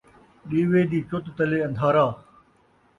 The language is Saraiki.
ݙیوے دی چُت تلے ان٘دھارا